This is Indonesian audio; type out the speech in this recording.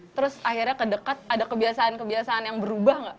terus akhirnya ke dekat ada kebiasaan kebiasaan yang berubah gak